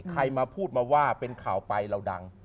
ใครมาพูดมาว่าเป็นข่าวไปเราดัง